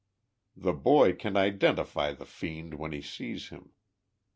llie bojr can identify the fiend when he sees him.